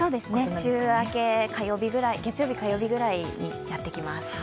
週明け月曜日、火曜日ぐらいにやってきます。